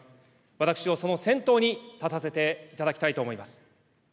私をその先頭に立たせていただきたいと思います。